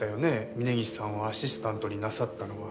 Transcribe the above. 峰岸さんをアシスタントになさったのは。